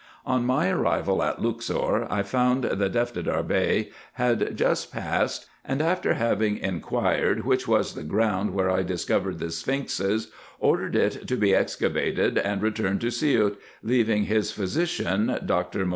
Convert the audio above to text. On my arrival at Luxor, I found the Defterdar Bey had just passed, and, after having inquired which was the ground where I discovered the sphinxes, ordered it to be excavated, and returned to Siout, leaving his physician, Doctor IN EGYPT, NUBIA, &c.